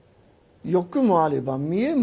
欲もあれば見えもある。